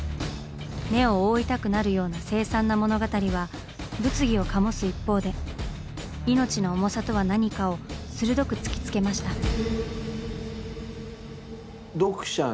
目を覆いたくなるような凄惨な物語は物議を醸す一方で命の重さとは何かを鋭く突きつけました。